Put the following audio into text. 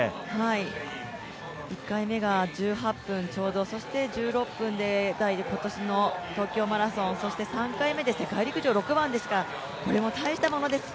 １回目が１８分ちょうど、そして１６分台で今年の東京マラソン、そして３回目で世界陸上６番ですから、これはたいしたものです。